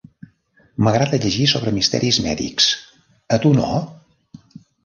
M'agrada llegir sobre misteris mèdics, a tu no?